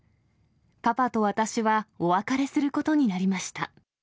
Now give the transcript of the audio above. パパと私はお別れすることになりました。